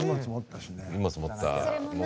荷物持ったしね。